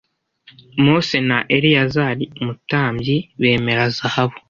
Mose na Eleyazari umutambyi bemera zahabu